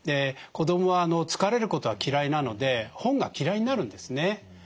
子どもは疲れることは嫌いなので本が嫌いになるんですね。